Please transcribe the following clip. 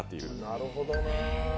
なるほどな。